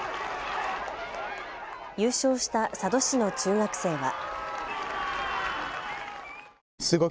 優勝した佐渡市の中学生は。